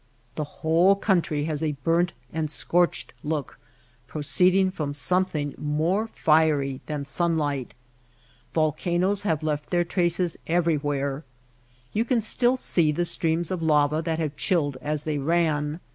The whole country has a burnt and scorched look proceeding from something more fiery than sunlight. Volcanoes have left their traces everywhere. You can still see the streams of lava that have chilled as they ran.